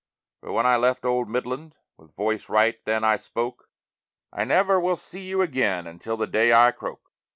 But when I left old Midland, with voice right then I spoke, "I never will see you again until the day I croak."